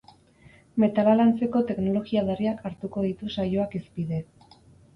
Metala lantzeko teknologia berriak hartuko ditu saioak hizpide.